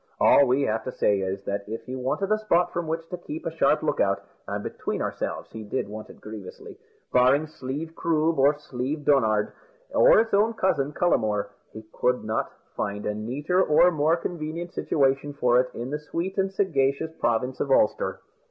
All we have to say is, that if he wanted a spot from which to keep a sharp look out and, between ourselves, he did want it grievously barring Slieve Croob, or Slieve Donard, or its own cousin, Cullamore, he could not find a neater or more convenient situation for it in the sweet and sagacious province of Ulster.